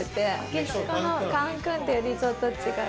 メキシコのカンクンっていうリゾート地が。